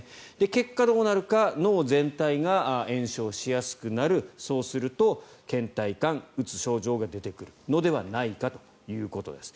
結果、どうなるか脳全体が炎症しやすくなるそうするとけん怠感、うつ症状が出てくるのではないかということです。